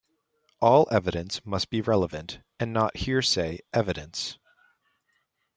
All evidence must be relevant and not hearsay evidence.